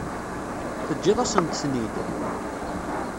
Teǧǧiḍ-asent-ten-id?